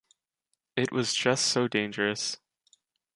It was just so dangerous.